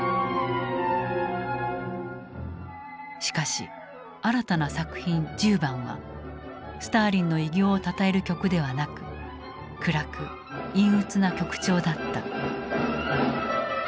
しかし新たな作品「１０番」はスターリンの偉業をたたえる曲ではなく暗く陰鬱な曲調だった。